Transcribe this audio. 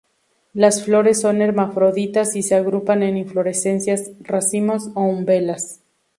Las flores son hermafroditas y se agrupan en inflorescencias, racimos o umbelas.